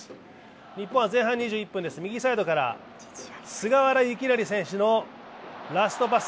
日本は前半２１分、右サイドから菅原由勢選手のラストパス。